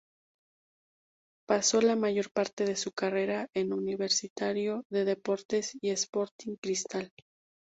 Pasó la mayor parte de su carrera en Universitario de Deportes y Sporting Cristal.